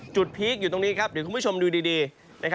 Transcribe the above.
พีคอยู่ตรงนี้ครับเดี๋ยวคุณผู้ชมดูดี